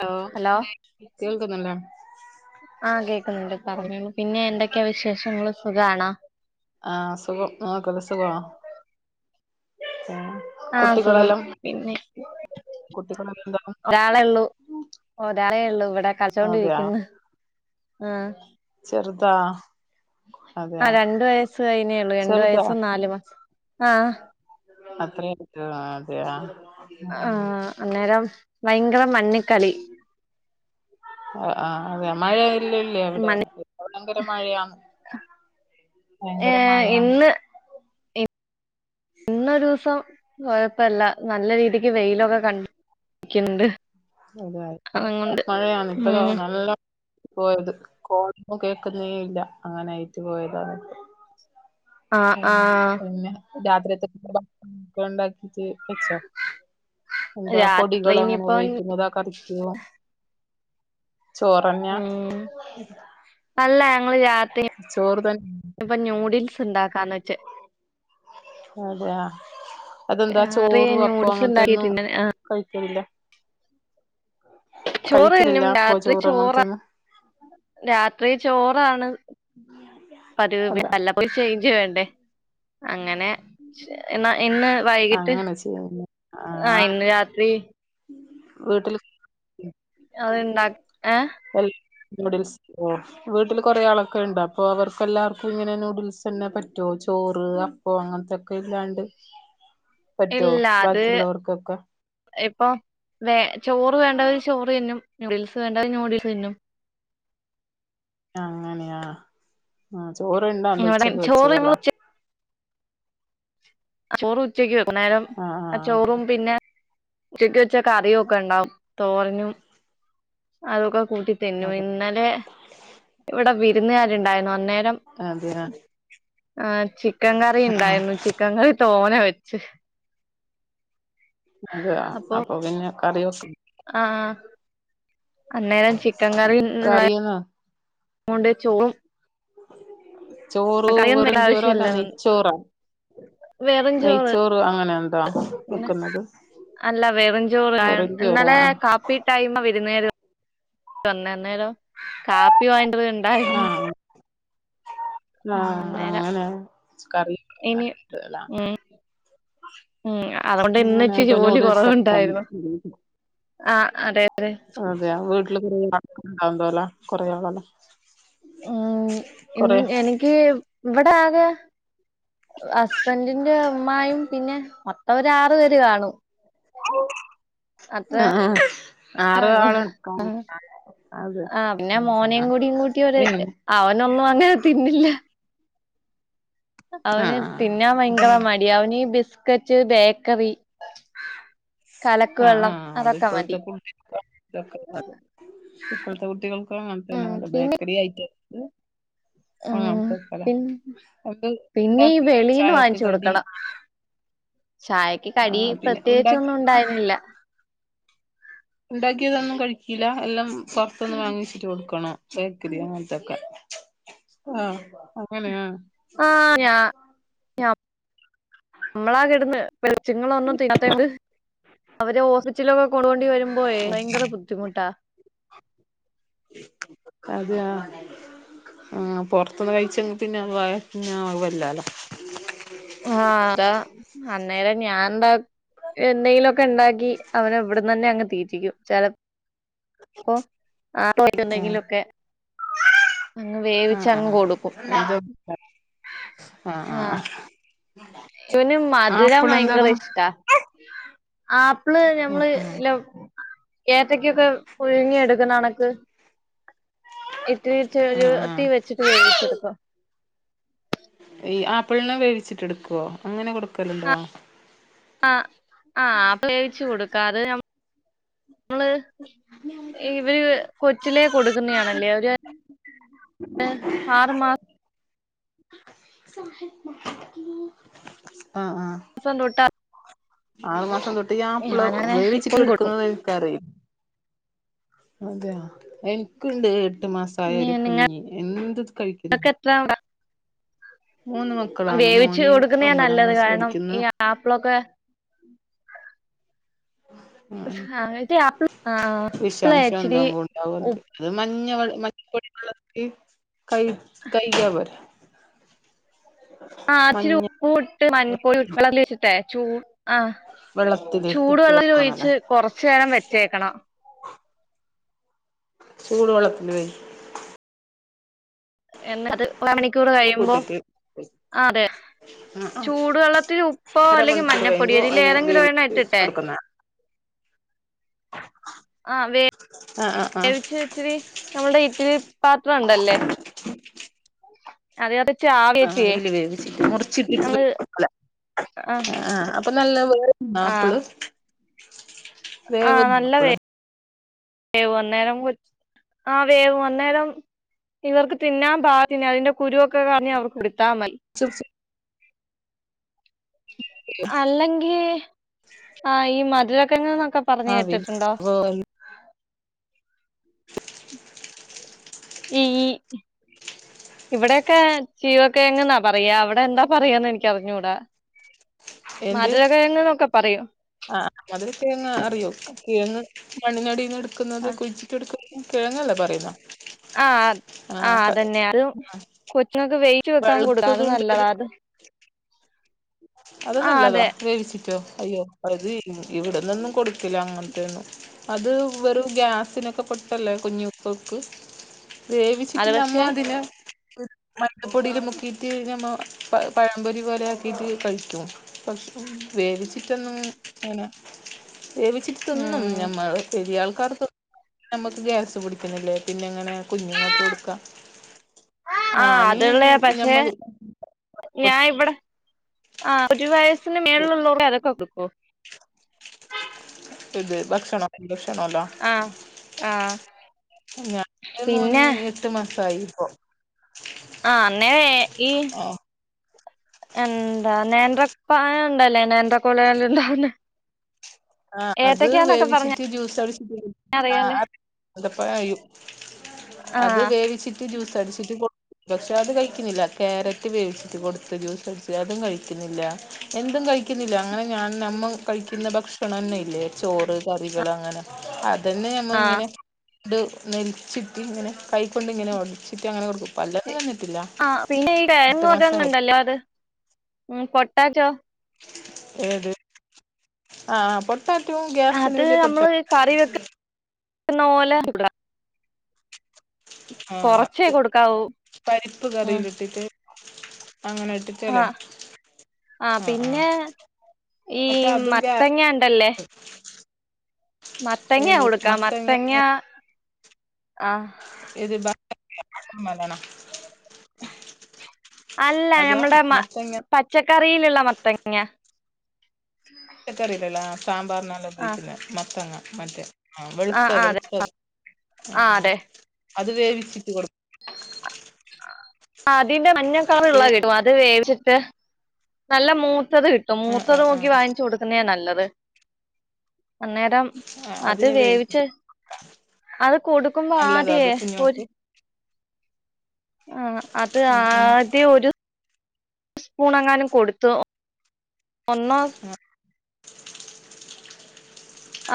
Law hello കേൾക്കുന്നില്ലേ? ആഹ് കേക്ക്ന്ന്ണ്ട് പറഞ്ഞു പിന്നേ എന്തെക്ക്യാ വിശേഷങ്ങള് സുഖാണോ ആഹ് സുഖം മോൾക്കാെക്കെ സുഖാണാ ആഹ് സുഖം പിന്നെ കുട്ടികളെല്ലാം എന്താ ഒരാളെള്ളു ഒരാളെള്ളു ഇവ്ടെ അതെയാ കൾച്ചോണ്ടിരിക്ക്ന്ന് ആഹ് ചെറ്താ ആഹ് രണ്ട് വയസ്സ് കയിനേള്ളു രണ്ട് ചെറുതാ വയസ്സും നാല് മാസും ആഹ് അത്രേ ആയിട്ടാെള്ളു ആഹ് അതേ ആഹ് അഹ് ആഹ് അന്നേരം ഭയ്ങ്കര മണ്ണിൽ കളി ആഹ് ആഹ് അതെയാ മഴെ ഇല്ല്യല്ല്യാ ഇവെട മണ് ഭയങ്കെര മഴയാന്ന് ഭയങ്കര ഏഹ് മഴയാന്ന് ഇന്ന് ഇന്നൊരൂസം കൊഴപ്പല്ല നല്ല രീതിക്ക് വെയ്ലൊക്കെ കണ്ട് ക്ക്യ്ണ്ട് [unintelligible] മഴയാന്ന് ഇപ്പഴോ ഉം നല്ല പോയെത് കോളാെന്നും കേക്ക്ന്നേ ഇല്ല ആഹ് നയ്റ്റ് പോയതാരന്റ് ആഹ് പിന്നെ രാത്രിയെത്തെ [unintelligible] ക്കൊണ്ടാക്കിറ്റ് വെച്ചോ എന്താ രാത്രി പൊടികള് അങ്ങെനെ പോയ് ഇനിയിപ്പം ന്താ കറിക്ക് [unintelligible] ചോറെന്ന്യാ ഉം അല്ല ഞങ്ങള് രാത്രി ചോറ് തൻ ഇപ്പം ന്യൂഡിൽസ് ഇണ്ടാക്കാന്ന് വെച്ച് അതെയാ അതെന്താ രാത്രി ചോറും അപ്പം ന്യൂഡിൽസ് അങ്ങൻത്തെ ഒന്നും ഉണ്ടാക്കിയിട്ടുണ്ട് കഴിക്ക്യൂലേ ചോറ് കഴിക്കലില്ല തിന്നും അപ്പോ രാത്രി ചോറ് ചോറ അങ്ങനത്തൊന്നും രാത്രി ചോറാണ് പതിവ് അല്ല പിന്നെ വല്ല പ്പോയും ചെയ്ഞ്ച് വേണ്ടേ അങ്ങെനെ ഇന്ന് ഇന്ന് വൈകിട്ട് അങ്ങനെ ചെയ്യുന്നു ആഹ് ഇന്ന് രാത്രി വീട്ട്ൽ അത്ണ്ടാ ഏഹ് ൽ നൂഡിൽസ് ഉം വീട്ടില് കൊറെ ആളൊക്കെ ണ്ടൊ അപ്പൊ അവർക്ക് എല്ലാർക്കും ഇങ്ങനെ നൂഡിൽസ് എന്നെ പറ്റുഓ ചോറ് അപ് ഓഹ് അങ്ങനത്തൊക്കെ ഇല്ലാണ്ട് പറ്റോ ഇല്ല അത് ബാക്കിയുള്ളവർക്കൊക്കെ? ഇപ്പൊ വേ ചോറ് വേണ്ടവര് ചോറ് തിന്നും നൂഡിൽസ് വേണ്ടവര് നൂഡിൽ തിന്നും അങ്ങനെയാ ആഹ് ചോറുണ്ടാണ്ട് ഇവിടെ ഉച്ചക്ക് ചോറ് ഞങ്ങൾ വെച്ചതല്ലെ ഉച്ച ചോറ് ഉച്ചയ്ക്ക് വെക്കും ന്നേരം ആഹ് ആ ചോറും ആഹ് പിന്നെ ച്ചക്ക്‌ വെച്ച കറിയും ഒക്കെ ണ്ടാവും തോരനും അതൊക്കെ കൂട്ടി തിന്നു അതെ ഇന്നലെ ഇവിടെ വിരുന്നുകാരുണ്ടായിരുന്നു അന്നേരം അതെയ ആഹ് ചിക്കൻ കറി ഉണ്ടായിരുന്നു ചിക്കൻ കറി തോന വച്ച് അതെയാ അപ്പൊ പിന്നെ കറി- ആഹ് അന്നേരം ചിക്കൻ കറിള്ളെ കറിയെന്ന് ഓണ്ട്ച്ചോ ചോറ് കറിന്ന് വെറും ചോറോ അല്ല വെക്കണ്ടാശ്യല്ലന്ന് നെയ്ച്ചോറോ വെറുഞ്ചോറ് നെയ്ച്ചോറ് അങ്ങനെ എന്താ ന്നെ വെക്കുന്നത് അല്ല വെറുഞ്ചോറ് വെറും ചോറോ എന്നലേ പ്പി ടൈമ വിരുന്നകാര് വന്നേന്നേരം കാപ്പി വങ്ങണ്ടത് ഇണ്ടായിരുന്നു ആഹ് ആഹ് അന്നേരം കറി ഇനി അല്ല ഉം ഉം അതോണ്ട് ഇന്ന് അങ്ങനെ ഇച്ചി ഇപ്പൊ ജോലി കൊ നൂഡിൽസ് റവുണ്ടായിരുന്നു ആഹ് അതെ അതെ അതയ വീട്ടില് [unintelligible] കൊറേ ആളല്ലെ ഉം ഇ എനിക്ക് ഇവിടെ ആകെ ഹസ്ബൻഡിന്റെ ഉമ്മായും പിന്നെ മൊ ത്തവൊരു ആറു പേര് കാണും ആഹ് ആഹ് ആറ് കാണും ആള് ആഹ് അതെ ആഹ് പിന്നെ മോനേം ആഹ് കൂടിയും കൂട്ടിയോര് പിന്നെ അവനൊന്നും അങ്ങന തിന്നില്ല അവന് ആഹ് തിന്നാൻ ഭയങ്കര മടിയ അവനീ ബിസ്കറ്റ് ബേക്കറി കലക്ക് ആഹ് വെള്ളം ആഹ് അതൊക്കെ അതിപ്പഴത്തെ മതി കുട്ട്യക്കൊക്കെ [inaudible] ഇപ്പോഴത്തെ കുട്ടികൾക്ക് ഉം അങ്ങനത്തെന്ന വേണ്ടു പിന്നെ ബേക്കറി ഐറ്റംസ് ഉം പിന്നെ എന്ത് പിന്നെ ഈ ഉണ്ടാക്കി വെളീന്ന് ചായക്ക് വാങ്ങിച്ചു കടി കൊടുക്കണം ചായക്ക് കടി ആഹ് പിന്നെ ഉണ്ടാക്കി പ്രത്യേകിച്ചൊന്നും ഉണ്ടായിരുന്നില്ല ണ്ടാക്കിയതൊന്നും കഴിക്കില്ല എല്ലാം പുറത്തൊന്ന് വാങ്ങിച്ചിട്ട് കൊടുക്കണം ബേക്കറി അങ്ങനത്തൊക്കെ ആഹ് അങ്ങനെയ [unintelligible] [unintelligible] പോയ ഭയങ്കര ബുദ്ധിമുട്ടാ അതെ ആഹ് ആഹ് പൊറത്തൂന്ന് കഴിച്ചങ് പിന്നെ വയറിന് ആവല്ലോ ആഹ് അതാ അന്നേരം ഞാന്താ എന്തെങ്കിലൊക്കെ ണ്ടാക്കി അവനെ ഇവിടന്ന് തന്നെ അങ്ങ് തീറ്റിക്കും ആഹ് [unintelligible] അങ്ങ് വേവിച്ച് ആഹ് അങ്ങ് കൊടുക്കും ആഹ് ആഹ് ആ ആഹ് ആഹ് ഇവന് മധുരം ഭയങ്കര ഇഷ്ടാ ആപ്പിള് ഞമ്മള് ആഹ് ആഹ് ലോ കേരറ്റക്കക്കെ പുഴുങ്ങി എടുക്കുന്നണക്ക് ആ ആ [unintelligible] ഈ ആപ്പിൾനെ വേവിച്ചിട്ട് എടുക്കോ അങ്ങനെ കൊടുക്കലുണ്ടോ ആഹ് ആഹ് വേവിച്ച് കൊടുക്കാം അത് ന ങ്ങള് ഇവര് കൊച്ചിലേ കൊടുക്കുന്നയാണല്ലേ ഒര് എഹ് ആറ് മാ [inaudible] ആഹ് ആഹ് [unintelligible] ആറു മാസം തൊട്ട് ഈ ആപ്പിള് ഞാനാണെ വേവിച്ചിട്ട് ഇപ്പം കൊടുക്കും എടുക്കുന്നത് എനിക്കാറിം അതെയ എനിക്കുണ്ട് എട്ട് മാസായ ഒരു കുഞ് എന്ത് കഴിക്കു [unintelligible] മക്കളാണ് വേവിച്ചു മോന് കൊടുക്കുന്നയ ഒമ്പതാം നല്ലത് ക്ലാസ്സിൽ കാരണം ഈ പഠിക്കുന്നു ആപ്പിളൊക്കെ [inaudible] [unintelligible] അഓൽത് ഉപ്പ് മഞ്ഞ [unintelligible] കയ്ക്യാ പോരെ ആഹ് ഇച്ചിരി മഞ്ഞ ഉപ്പുട്ട് [unintelligible] ആഹ് വെള്ളത്തിലിട്ടിട്ട് ചൂടുവെള്ളം വെക്കണല്ലേ ഒഴിച്ച് കൊറച്ചേരം വെച്ചേക്കണം ചൂട് വെള്ളത്തില് എന്ന അത് ഒര മണിക്കൂർ കഴിയുമ്പോ കൂട്ടിട്ട് ആതെ ആ ആ ചൂടുവെള്ളത്തില് ഉപ്പോ അല്ലെങ്കില് അരമണിക്കൂർ കഴിയുമ്പോ മഞ്ഞപ്പൊടിയോ ഇതില് അതിന് ഏതെങ്കിലും വേവി ഒരെണ്ണം ഇട്ടിട്ടെ [inaudible] കൊടുക്കുന്ന ആഹ് ആഹ് ആഹ് ഇച്ചിരി ഇച്ചിരി നമ്മുടെ ഇറ്റലി പാത്രം ഉണ്ടല്ലേ ആഹ് അയില് വേവിച്ചിട്ട് മുറിച്ചിട്ടിട്ട് [unintelligible] [unintelligible] ആഹ് ആപ്പ്ള് [unintelligible] ഇവർക്ക് തിന്നാൻ പാകത്തിന് അതിന്റെ കുരു ഒക്കെ കളഞ്ഞ് അവർക്കൊടുത്താ മതി [inaudible] അല്ലെങ്കി ആഹ് ഈ മധുരകിഴങ്ങ്കളൊക്കെ [unintelligible] ഈ ഈ ഇവിടെയൊക്കെ ചീവക്കിഴങ്ങ് ന്നാ പറയാ അവിടെ എന്താ പറയന്ന് എനിക്ക് അറിഞ്ഞൂടാ എന്ത് മധുരകിഴങ്ങ്ന്നൊക്കെ പറയൊ ആഹ് മധുരകിഴങ്ങ് അറിയോ കിഴങ്ങ് മണ്ണിനടീന്ന് ഇട്ക്കുന്നത് ആഹ് കുഴിച് ഇട്ക്ക് കിഴങ്ങല്ലേ പറ്യ്ന്നേ ആഹ് ആഹ് അതന്നെയാ [unintelligible] കൊച്ചിനൊക്കെ വെയിറ്റ് വെക്കാൻ കൊടുക്ക അത് നല്ലതാ അത് അത് ആഹ് നല്ലതാ അതെ വേവിച്ചിട്ടോ അയ്യോ അത് ഇവിടുന്നൊന്നും കൊടുക്കില്ല അങ്ങ്ത്തെന്നും അത് വെറും ഗ്യാസിനൊക്കെ പൊട്ടല്ലേ കുഞ്ഞു ങ്ങക്ക് അത് വേവിച്ചിട്ടിന് അമ്മ പക്ഷെ അതിനാ മഞപോടീല് മുക്കീട്ട് നമ്മ പഴംപൊരി പോലെ ആക്കിട്ട് കഴിക്കും പക്ഷ വേവിച്ചിട്ടൊന്നും അങ്ങനെ വേവിച്ചിട്ടൊന്നും ഉം നമ്മ വലിയ ആൾക്കാർക്ക് നമുക്ക് ഗ്യാസ് പിടിക്കുന്നില്ലേ പിന്നെ എങ്ങനെയാ കുഞ്ഞുങ്ങക്ക് കൊടുക്ക ആഹ് ഞാനീ അതുള്ളയാ പക്ഷെ ഞമ്മ ഞാൻ ഇവിടെ ആഹ് ഒരു വയസ്സിന് മേളിലുള്ളവർക്കെ അതൊക്കെ കൊടുക്കു ഇത് ഭക്ഷണം [unintelligible] ക്കണല്ലോ ആഹ് ആഹ് ഞാൻ ഇന്റെ മോന് പിന്നെ എട്ടു മാസായിപ്പോ ആഹ് അന്നേരം ഈ ആഹ് എന്താ നേന്ത്രപഴം ഇണ്ടല്ലേ നേന്തക്കൊലയിൽ ഇണ്ടാവുന്നേ ആഹ് അത് പറഞ്ഞ വേവിച്ചിട്ട് ജ്യൂസ് അടിച്ചിട്ട് ആ അറിയാലേ അപ്പ അത് ആഹ് വേവിച്ചിട്ട് ജ്യൂസ് അടിച്ചിട്ട് കൊട് പക്ഷെ അത് കഴിക്കുന്നില്ല ക്യാരറ്റ് വേവിച്ചിട്ട് കൊടുത്ത ജ്യൂസ് അടിച്ച് അതും കഴിക്കുന്നില്ല എന്തും കഴിക്കുന്നില്ല അങ്ങനെ ഞാൻ നമ്മൾ കഴിക്കുന്ന ഭക്ഷ ണന്നെ ഇല്ലേ ചോറ് കറികൾ അങ്ങനെ അതന്നെ നമ്മ ആഹ് ഇങ്ങനെ ഇ നെലിച്ചിട്ടി ഇങ്ങനെ കൈ കൊണ്ട് ഇങ്ങനെ ഒടിച്ചിട്ടിങ്ങനെ കൊടുക്കും പല്ലൊന്നും വന്നിട്ടില്ല ആഹ് പിന്നെ ഈ എട്ട് മാസായി കിഴങ്ങതന്നുണ്ടല്ലോ അത് ഉം പൊട്ടറ്റോ ഏത് ആഹ് പൊ പറ്റുവ ങ്കെ അത് നമ്മള് കറി വെക്കുന്ന പോലെ കൊടു കൊറച്ചേ ആഹ് കൊടുക്കാവൂ പരിപ്പ് ഉം കറിയില ഇട്ടിട്ട് അങ്ങനെ ഇട്ടിട്ട് ആഹ് ആഹ് പിന്നെ ഈ പക്ഷെ അതും ഗ്യാസ് മത്തങ്ങ ഉണ്ടല്ലേ മത്തങ്ങ കൊടുക്കാം മത്തങ്ങ ആഹ് ഏത് ബത്തക്ക മലണം അല്ല അതാ ഞമ്മുടെ മ മത്തങ്ങ പച്ചക്കറിയിലുള്ള മത്തങ്ങ പച്ചക്കറില്ല്ല്ലേ സാമ്പാറിനല്ലൊ ആഹ് ഉപയോഗിക്കുന്ന മത്തങ്ങ മറ്റേ ആഹ് വെളുത്ത ആഹ് അതെ വെളുത്ത ആഹ് അത് വേവിച്ചിട്ട് കൊടുക്കും ആഹ് അതിന്റെ മഞ്ഞക്കളറുള്ളെ കിട്ടും അത് വേവിച്ചിട്ട് നല്ല മൂത്തത് കിട്ടും ആഹ് മൂത്തത് ആഹ് നോക്കി ആഹ് വാങ്ങിച്ചു കൊടുക്കുന്നാ നല്ലത് അന്ന രം ആഹ് അത് അതിന് വേവിച്ച് വേവിച്ചിട്ട് അത് കൊടുക്കുമ്പോ നല്ലതാ ആദ്യേ അത് ഒരു കുഞ്ഞോൾക്ക് ആഹ് അത് ആഹ് ആഹ് ആദ്യ ഒരു സ്പൂൺങ്ങാനും കൊടുത്തു ഒന്നോ ആഹ്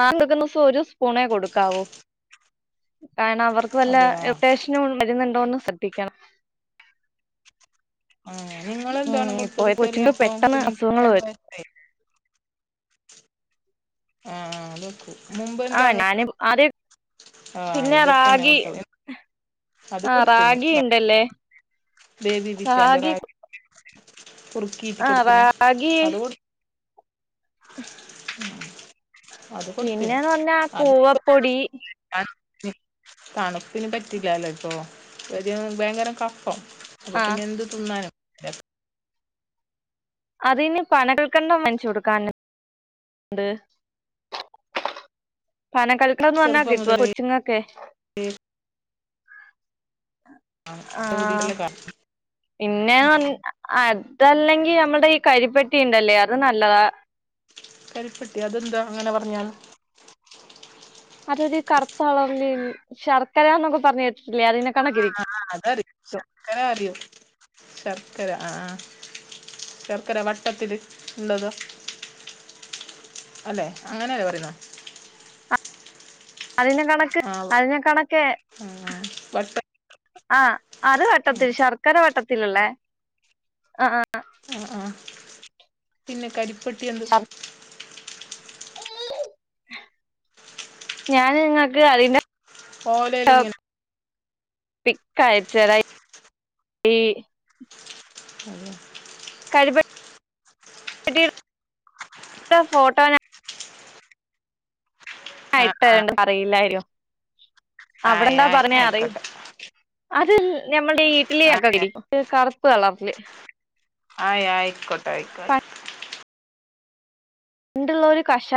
ആദ്യത്ത ദിവസം ഒരു സ്പൂണേ കൊടുക്കാവൂ കാരണം അവർക്ക് വല്ല അതെയാ ഇറിട്ടേശൻ വരുന്നുണ്ടോന്ന് ശ്രദ്ധിക്കണം ആഹ് ഉം നിങ്ങളെന്താണ് ഇപ്പോ കൊടുത്തത് കൊച്ചുന് ചെറിയപ്പം പെട്ടെന്ന് കുഞ്ഞിക്ക് അസുഖങ്ങൾ രണ്ട് വരും വയസ്സായി ആഹ് ആഹ് അഹ് വക്കൂ ആഹ് ഞാന് ആദ്യ ആഹ് പിന്നെ ഇതൊക്കെന്നെ റാഗി കൊടുത്ത ആഹ് റാഗി ഇണ്ടല്ലേ ദേവി റാഗി വിറ്റാറഗി കുറുക്കിട്ടി ആഹ് കൊടുക്കുന്ന അത് കൊടു ഉ അത് കൊടുത്തിന് പിന്നെന്ന് പറഞ്ഞാ കൂവപ്പൊടി തണുപ്പന് പറ്റിലാലോ ഇപ്പൊ ഒരു ഭയങ്കര കഫം അപ്പൊ ആഹ് പിന്നെ എന്ത് തിന്നാനും അത് ന് പനകൾക്കണ്ടം വാങ്ങിച്ച് കൊടുക്കാന് ണ്ട് പന കൽക്കണ്ടംന്ന് പറഞ്ഞാ ചെറുപ്പം കിട്ടും മുതലേ കൊച്ചിങ്ങക്കെ ആഹ് കൂടിയുള്ള കാ പിന്നെ അതല്ലെങ്കി നമ്മടെ ഈ കരിപ്പെട്ടിണ്ടല്ലേ അത് നല്ലതാ. കരിപ്പെട്ടി അതെന്താ അങ്ങനെ പറഞ്ഞാല്? അതൊരു കറുത്തളറില് ശർക്കരാന്നൊക്കെ പറഞ്ഞ കേട്ടിട്ടില്ലേ അതിനെ കണക്കിരിക്കും ആഹ് അഹ് അതറിയും ശർക്കര അറിയും ശർക്കര അഹ് ആഹ് ശർക്കര വട്ടത്തില് ഇള്ളത് അല്ലെ അങ്ങനെയല്ലേ പറയുന്നേ? അതിന്നെ കണക്ക് ആഹ് അതിനേ കണക്കേ ആഹ് വട്ട ആഹ് അത് വട്ടത്തിൽ ശർക്കര വട്ടത്തിലിള്ളേ അഹ് ആഹ് ആഹ് ആഹ് പിന്നെ കരിപ്പെട്ടി എന്ത് സാ ഞാനിങ്ങക്ക് അതിന്റെ ഓലേലിങ്ങനെ പിക്കയച്ചരാ ഈ അതെ കരി പ്പെ ട്ടീടെ ഫോട്ടോ ഞാ ആഹ് ഇട്ട്ണ്ട് അറിയില്ലാരും ആയി അവിടെന്താ ആയി പറഞ്ഞെ അറി ആയിക്കോട്ടെ അത്ൽ ഞമ്മൾടെഈ ആയി ഇഡ്ലിയൊക്കെ ആയി ടിക്കും ഒരുകറുപ്പ് കളറില്- ആയി ആയിക്കോട്ടെ ആയിക്കോഅയ് പണ്ടുള്ളോര് കഷാ